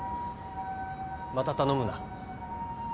また頼むな。